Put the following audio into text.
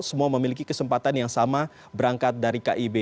semua memiliki kesempatan yang sama berangkat dari kib